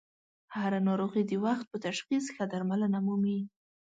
هر ه ناروغي د وخت په تشخیص ښه درملنه مومي.